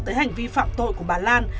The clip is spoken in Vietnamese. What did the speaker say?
tới hành vi phạm tội của bà lan